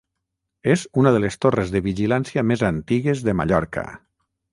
És una de les torres de vigilància més antigues de Mallorca.